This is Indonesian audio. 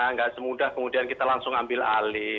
nggak semudah kemudian kita langsung ambil alih